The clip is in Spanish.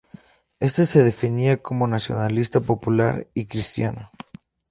Este se definía como "nacionalista, popular y cristiano".